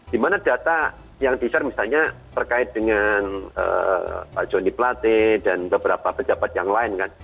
di mana data yang di share misalnya terkait dengan pak joni plate dan beberapa pejabat yang lain kan